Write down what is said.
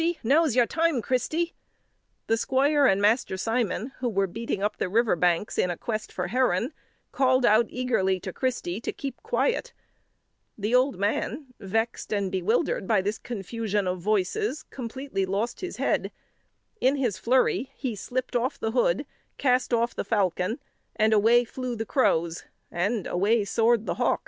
now is your time, Christy!" The squire and Master Simon, who were beating up the river banks in quest of a heron, called out eagerly to Christy to keep quiet; the old man, vexed and bewildered by the confusion of voices, completely lost his head: in his flurry he slipped off the hood, cast off the falcon, and away flew the crows, and away soared the hawk.